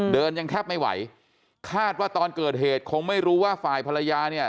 ยังแทบไม่ไหวคาดว่าตอนเกิดเหตุคงไม่รู้ว่าฝ่ายภรรยาเนี่ย